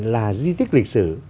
là di tích lịch sử